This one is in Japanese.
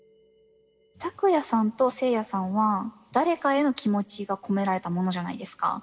たくやさんとせいやさんは誰かへの気持ちが込められたものじゃないですか。